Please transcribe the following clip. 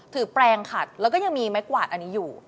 แปลงขัดแล้วก็ยังมีไม้กวาดอันนี้อยู่